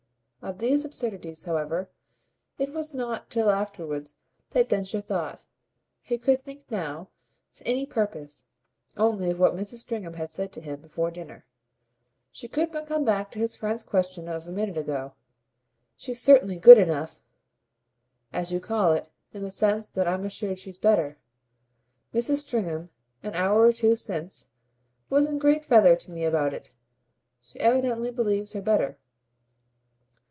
Of these absurdities, however, it was not till afterwards that Densher thought. He could think now, to any purpose, only of what Mrs. Stringham had said to him before dinner. He could but come back to his friend's question of a minute ago. "She's certainly good enough, as you call it, in the sense that I'm assured she's better. Mrs. Stringham, an hour or two since, was in great feather to me about it. She evidently believes her better."